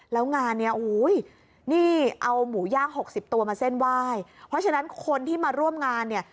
แล้วงานเนี้ยอุ้ยนี่เอาหมูย่างหกสิบตัวมาเส้นไหว้เพราะฉะนั้นคนที่มาร่วมงานเนี่ย